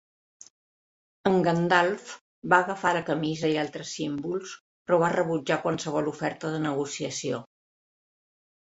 En Gandalf va agafar la camisa i altres símbols però va rebutjar qualsevol oferta de negociació.